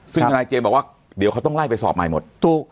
ซึ่งทนายเจมส์บอกว่าเดี๋ยวเขาต้องไล่ไปสอบใหม่หมด